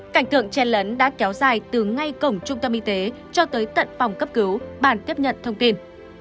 cảnh tượng chen lấn đã kéo dài từ ngay cổng trung tâm y tế cho tới tận phòng cấp cứu bàn tiếp nhận thông tin